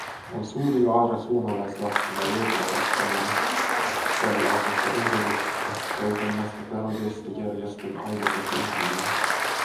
On suuri vaara suomalaislapsille joutua kasvamaan tällaisessa ympäristössä – käytännössä terroristijärjestön aivopesun uhreina.